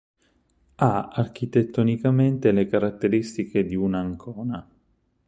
Ha architettonicamente le caratteristiche di una ancona.